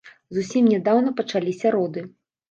Зусім нядаўна пачаліся роды.